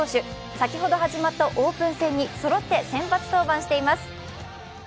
先ほど始まったオープン戦にそろって先発登板しています。